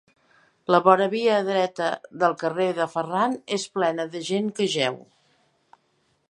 La voravia dreta del carrer de Ferran és plena de gent que jeu.